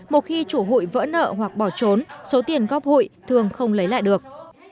một khi chủ hội vỡ nợ hoặc bỏ trốn số tiền góp hội thường không lấy lại được